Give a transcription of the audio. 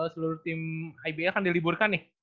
seluruh tim ibl kan diliburkan nih